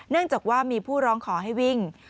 จากว่ามีผู้ร้องขอให้วิ่ง